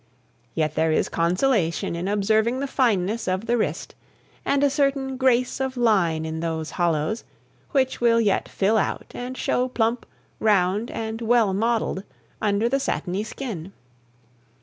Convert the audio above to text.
Yet there is consolation in observing the fineness of the wrist, and a certain grace of line in those hollows, which will yet fill out and show plump, round, and well modeled, under the satiny skin.